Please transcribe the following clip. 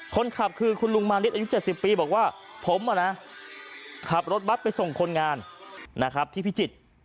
คนขับคือคุณลุงมานิดอายุ๗๐ปีบอกว่าผมขับรถบัตรไปส่งคนงานนะครับที่พิจิตร